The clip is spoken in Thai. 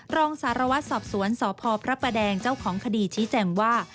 รองสารวัตรสอบสวนสพพระประแดงเจ้าของคดีชี้แจงว่า